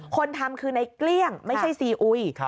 คนทำคือในเกลี้ยงไม่ใช่ซีอุย